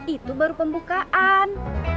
itu baru pembukaan